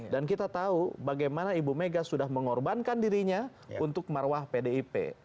dan kita tahu bagaimana ibu mega sudah mengorbankan dirinya untuk marwah pdip